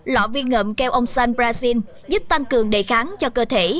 lọ viên ngậm keo ông san brasin giúp tăng cường đề kháng cho cơ thể